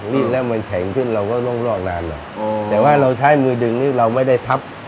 ดิ้นแล้วมันแข็งขึ้นเราก็ต้องลอกนานหรอกแต่ว่าเราใช้มือดึงนี่เราไม่ได้ทับ